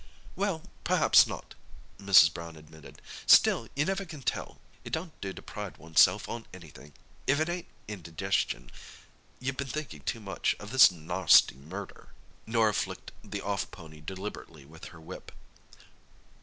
"Well, perhaps not," Mrs. Brown admitted. "Still, you never can tell; it don' do to pride oneself on anything. If it ain't indigestion, you've been thinking too much of this narsty murder." Norah flicked the off pony deliberately with her whip.